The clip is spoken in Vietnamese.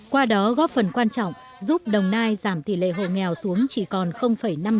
qua đó góp phần quan trọng giúp đồng nai giảm tỷ lệ hộ nghèo xuống chỉ còn năm mươi